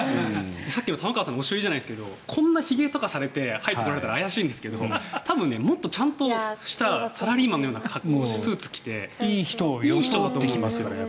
さっきの玉川さんの押し売りじゃないですけどこんなひげとかされて入ってこられたら怪しいんですけど多分もっとちゃんとしたサラリーマンのようなスーツを着ていい人を装ってきますよね。